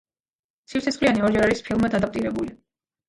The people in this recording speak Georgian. ცივსისხლიანი ორჯერ არის ფილმად ადაპტირებული.